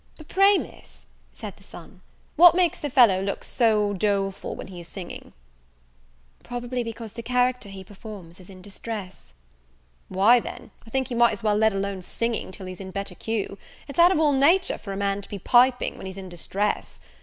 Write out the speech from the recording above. "But pray, Miss," said the son, "what makes that fellow look so doleful while he is singing?" "Probably because the character he performs is in distress." "Why, then, I think he might as well let alone singing till he's in better cue: it's out of all nature for a man to be piping when he's in distress.